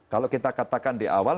kalau kita katakan di awal